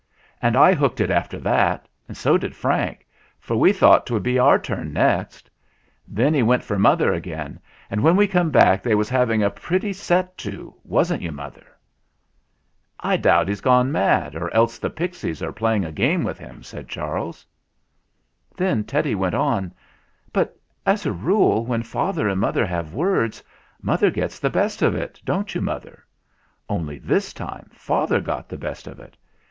And I hooked it after that, and so did Frank, for we thought 'twould be our turn next. Then he went for mother again, and when we come back they was having a pretty set to wasn't you, mother?" "I doubt he's gone mad or else the pixies are playing a game with him," said Charles. Then Teddy went on : "But as a rule when father and mother have words, mother gets the best of it don't you, mother? Only this time father got the best of it.